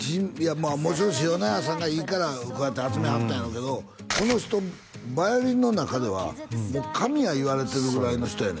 もちろん塩谷さんがいいからこうやって集めはったんやろうけどこの人バイオリンの中ではもう神やいわれてるぐらいの人やね